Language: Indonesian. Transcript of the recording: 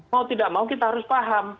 mau tidak mau kita harus paham